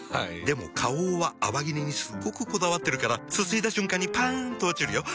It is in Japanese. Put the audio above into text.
でも花王は泡切れにすっごくこだわってるからすすいだ瞬間にパン！と落ちるよ。